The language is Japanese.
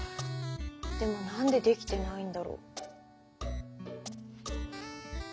でも何でできてないんだろう。